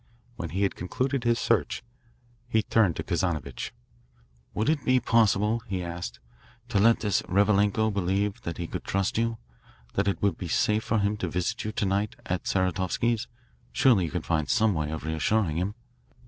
When he had concluded his search, he turned to Kazanovitch. "Would it be possible," he asked, "to let this Revalenko believe that he could trust you, that it would be safe for him to visit you to night at Saratovsky's? Surely you can find some way of reassuring him."